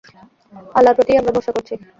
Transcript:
আল্লাহর প্রতিই আমরা ভরসা করছি।